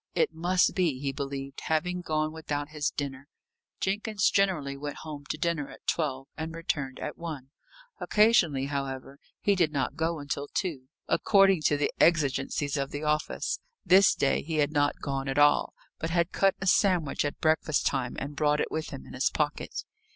It must be, he believed, having gone without his dinner. Jenkins generally went home to dinner at twelve, and returned at one; occasionally, however, he did not go until two, according to the exigencies of the office; this day, he had not gone at all, but had cut a sandwich at breakfast time and brought it with him in his pocket.